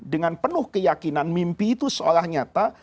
dengan penuh keyakinan mimpi itu seolah nyata